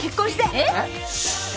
えっ！？